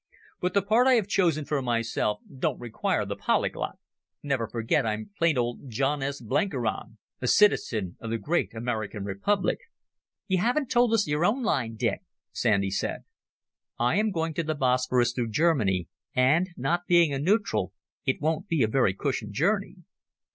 But the part I have chosen for myself don't require the polyglot. Never forget I'm plain John S. Blenkiron, a citizen of the great American Republic." "You haven't told us your own line, Dick," Sandy said. "I am going to the Bosporus through Germany, and, not being a neutral, it won't be a very cushioned journey."